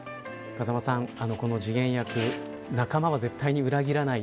風間さん、この次元役仲間は絶対に裏切らない。